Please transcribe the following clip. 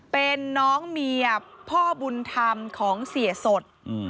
เป็นน้องเมียพ่อบุญธรรมของเสียสด